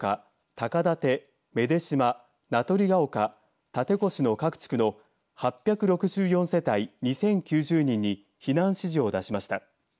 高舘、愛島、名取が丘館腰の各地区の８６４世帯２０９０人に避難指示を出しました。